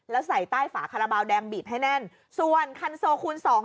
แล้วใส่ใต้ฝาคาราบาลแดงบีบให้แน่นส่วนคันโซคูณสอง